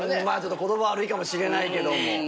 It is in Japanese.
まあちょっと言葉は悪いかもしれないけども。